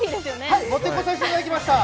はい、持ってこさせていただきました。